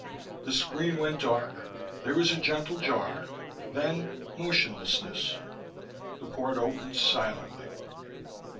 The screen went dark, there was a gentle jar, then motionlessness. The port opened, silently.